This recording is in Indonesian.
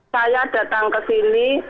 saya datang ke sini